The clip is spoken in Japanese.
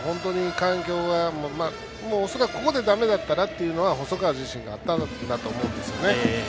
恐らく、ここでだめだったらというのは細川自身があったと思うんですよね。